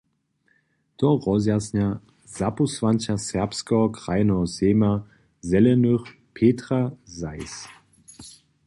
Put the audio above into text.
To rozjasnja zapósłanča Sakskeho krajneho sejma Zelenych Petra Zais.